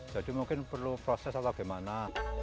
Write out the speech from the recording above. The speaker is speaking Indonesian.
jadi mungkin perlu proses atau bagaimana